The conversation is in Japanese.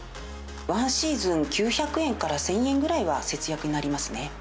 ワンシーズン９００円から１０００円ぐらいは節約になりますね。